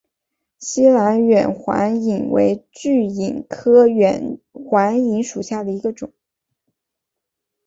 栖兰远环蚓为巨蚓科远环蚓属下的一个种。